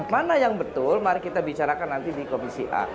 mana yang betul mari kita bicarakan nanti di komisi a